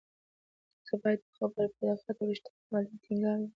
تاسو باید د خبر په دقت او رښتینولۍ ټینګار وکړئ.